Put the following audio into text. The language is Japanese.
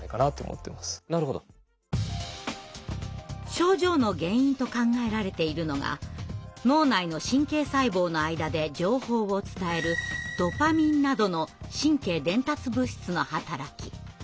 症状の原因と考えられているのが脳内の神経細胞の間で情報を伝えるドパミンなどの神経伝達物質の働き。